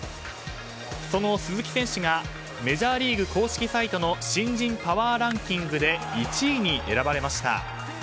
その鈴木選手がメジャーリーグ公式サイトの新人パワーランキングで１位に選ばれました。